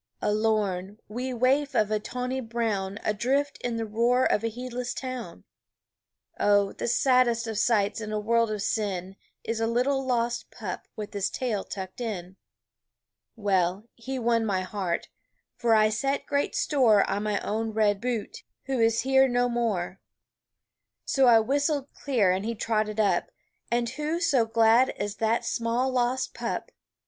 A lorn, wee waif of a tawny brown Adrift in the roar of a heedless town. Oh, the saddest of sights in a world of sin Is a little lost pup with his tail tucked in! Well, he won my heart (for I set great store On my own red Bute, who is here no more) So I whistled clear, and he trotted up, And who so glad as that small lost pup?